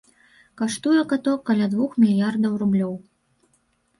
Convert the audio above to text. Каштуе каток каля двух мільярдаў рублёў.